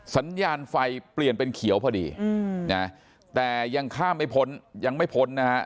สัญญาณไฟเปลี่ยนเป็นเขียวพอดีนะแต่ยังข้ามไม่พ้นยังไม่พ้นนะฮะ